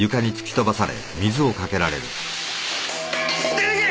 出て行け！